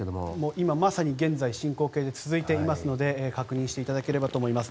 今まさに現在進行形で続いていますので確認していただければと思います。